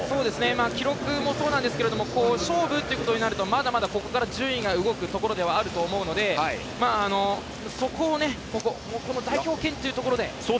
記録もそうなんですけど勝負っていうことになるとまだまだ、ここから順位が動くというところなのでそこを代表権というところで。